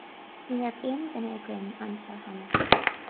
Ní raibh aon duine againn anseo cheana.